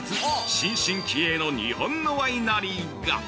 新進気鋭の日本のワイナリーが！